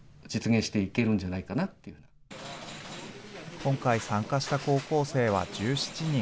今回、参加した高校生は１７人。